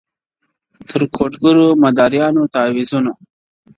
تر کوډ ګرو، مداریانو، تعویذونو؛